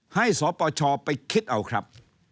สปชไปคิดเอาครับ